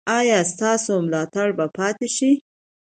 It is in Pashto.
ایا ستاسو ملاتړ به پاتې شي؟